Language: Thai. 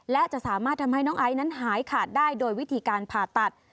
และจะสามารถทำให้น้องไอซ์นั้นหายขาดได้โดยวิธีการผ่าตัด